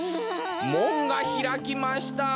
もんがひらきました。